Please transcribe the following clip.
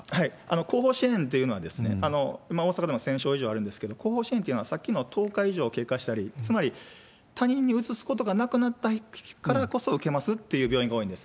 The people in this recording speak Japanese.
後方支援というのは、今、大阪でも１０００床以上あるんですけれども、後方支援というのはさっきの１０日以上経過したり、つまり他人にうつすことがなくなったからこそ受けますっていう病院が多いんです。